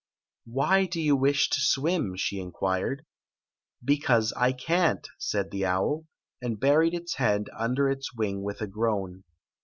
" Why do you wish to swim ?" inquired. " B«:ause I can't," said the owl, and buried its head under its wing with a groan.